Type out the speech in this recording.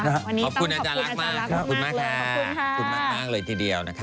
วันนี้ต้องขอบคุณอาจารย์มากเลยขอบคุณค่ะขอบคุณมากเลยทีเดียวนะคะ